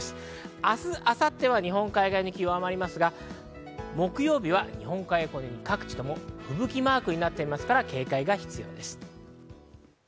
明日、明後日は日本海側、雪、弱まりますが、木曜日は各地とも吹雪マークになっていますから警戒が必要です。